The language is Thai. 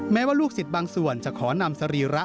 ว่าลูกศิษย์บางส่วนจะขอนำสรีระ